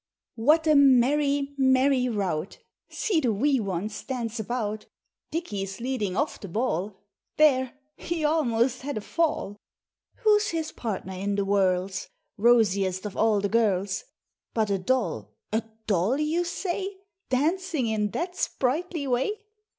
What a merry, merry rout! See the wee ones dance about! Dickie's leading off the ball; There, he almost had a fall. Who's his partner in the whirls, Rosiest of all the girls? But a doll a DOLL you say; Dancing in that sprightly way?